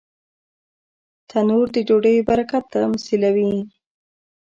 تنور د ډوډۍ برکت تمثیلوي